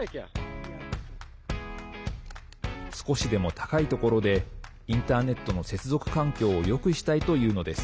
少しでも高いところでインターネットの接続環境をよくしたいというのです。